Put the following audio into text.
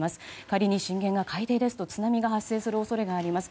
仮に震源が海底ですと津波が発生する可能性があります。